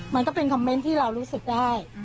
มันก็เป็นคอมเมนต์ที่เรารู้สึกได้